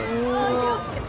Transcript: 気をつけて。